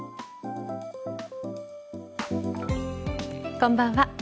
こんばんは。